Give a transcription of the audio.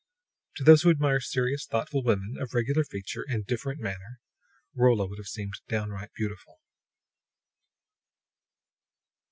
To those who admire serious, thoughtful women of regular feature and different manner, Rolla would have seemed downright beautiful.